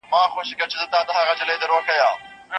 که تعلیم پوښتني وهڅوي، شک نه پاته کېږي.